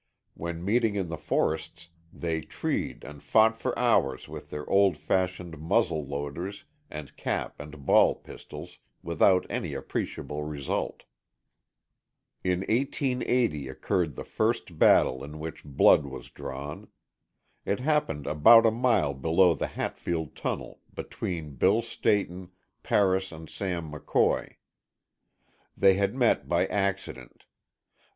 When meeting in the forests, they treed and fought for hours with their old fashioned muzzle loaders and cap and ball pistols, without any appreciable result. In 1880 occurred the first battle in which blood was drawn. It happened about a mile below the Hatfield tunnel, between Bill Stayton, Paris and Sam McCoy. They had met by accident.